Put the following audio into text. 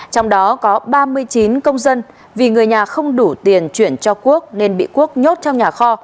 trong đó có ba mươi chín công dân vì người nhà không đủ tiền chuyển cho quốc nên bị quốc nhốt trong nhà kho